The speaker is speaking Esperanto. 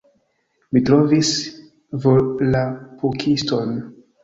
Mi trovis Volapukiston!